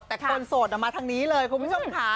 แต่คนโสดมาทางนี้เลยคุณผู้ชมค่ะ